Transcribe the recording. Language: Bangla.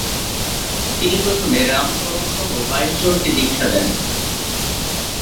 তিনি প্রথমে রামশরণসহ বাইশজনকে দীক্ষা দেন।